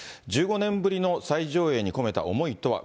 １５年ぶりの再上映に込めた思いとは。